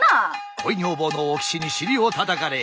恋女房のお岸に尻を叩かれ。